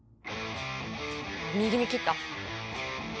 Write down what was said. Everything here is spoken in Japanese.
右に切った。